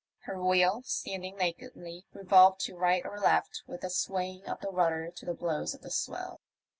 Her wheel, standing nakedly, revolved to right or left with the sway ing of the rudder to the blows of the swell.